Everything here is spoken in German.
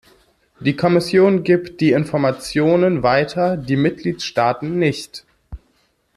Die Kommission gibt die Informationen weiter, die Mitgliedstaaten nicht.